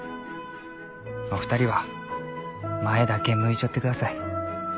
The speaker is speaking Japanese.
お二人は前だけ向いちょってください。